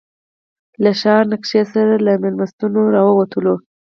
له ښار نقشې سره له مېلمستونه راووتلو.